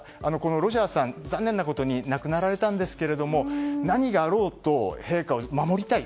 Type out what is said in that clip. ロジャーさん、残念なことに亡くなられたんですが何があろうと、陛下を守りたい。